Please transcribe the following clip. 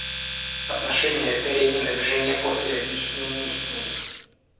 Отношение Каренина к жене после объяснения с ней.